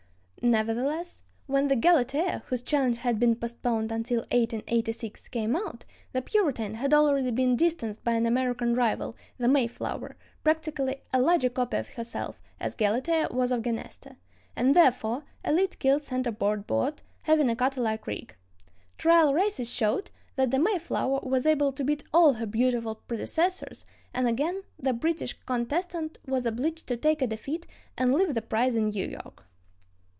] Nevertheless, when the Galatea, whose challenge had been postponed until 1886, came out, the Puritan had already been distanced by an American rival, the Mayflower, practically a larger copy of herself, as Galatea was of Genesta, and, therefore, a lead keeled center board boat, having a cutter like rig. Trial races showed that the Mayflower was able to beat all her beautiful predecessors, and again the British contestant was obliged to take a defeat and leave the prize in New York.